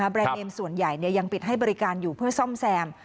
แรนดเนมส่วนใหญ่ยังปิดให้บริการอยู่เพื่อซ่อมแซม